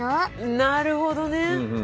なるほどね。